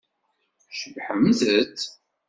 Cebbḥemt-t!